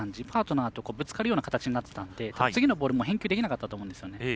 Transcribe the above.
パートナーとぶつかるような形になってたので次のボールも返球できなかったと思うんですよね。